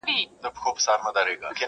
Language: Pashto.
خیراتونه اورېدل پر بې وزلانو-